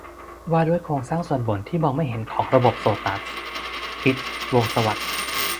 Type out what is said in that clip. ว่าด้วยโครงสร้างส่วนบนที่มองไม่เห็นของระบบโซตัส - พิชญ์ พงษ์สวัสดิ์